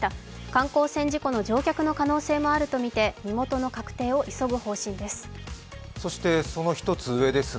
観光船事故の乗客の可能性もあると見て、身元の確認を急ぐとのことです。